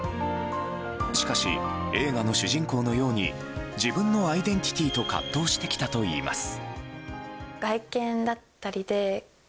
しかし、映画の主人公のように自分のアイデンティティーと葛藤してきたといいます。